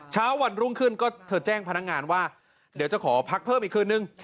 เช้าวันรุ่งขึ้นก็เธอแจ้งพนักงานว่าเดี๋ยวจะขอพักเพิ่มอีกคืนนึง